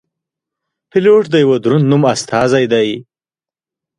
پیلوټ د یوه دروند نوم استازی دی.